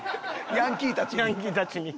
ヤンキーたちに？